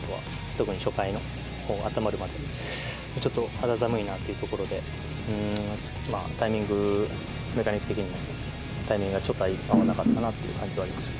特に初回の、あったまるまで、ちょっと肌寒いなというところで、まあ、タイミング、タイミングがちょっと合わなかったという感じはありました。